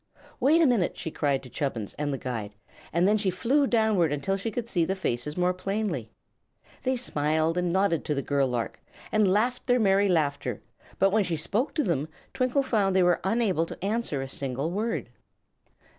"Wait a minute," she cried to Chubbins and the guide, and then she flew downward until she could see the faces more plainly. They smiled and nodded to the girl lark, and laughed their merry laughter; but when she spoke to them Twinkle found they were unable to answer a single word.